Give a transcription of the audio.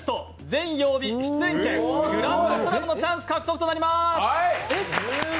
全曜日出演権グランドスラムのチャンス獲得となります。